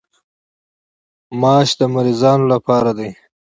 ماش د مریضانو لپاره دي.